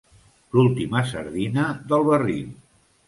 L'última sardina del barril.